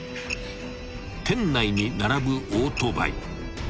［店内に並ぶオートバイ］